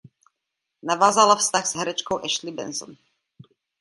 Navázala vztah s herečkou Ashley Benson.